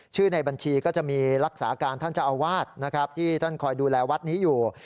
ในบัญชีก็จะมีรักษาการท่านเจ้าอาวาสนะครับที่ท่านคอยดูแลวัดนี้อยู่